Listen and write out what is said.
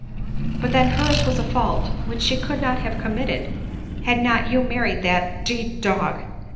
But then hers was a fault which she could not have committed had not you married that d d dog.